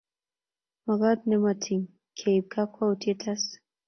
Magat nemo tiny keib kakwautiet asi